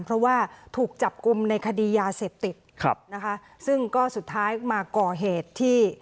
เพราะว่าถูกจับกลุ่มในคดียาเสพติดครับนะคะซึ่งก็สุดท้ายมาก่อเหตุที่